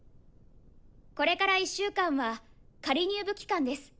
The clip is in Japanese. これから１週間は仮入部期間です。